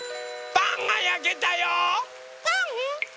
・パンがやけたよ！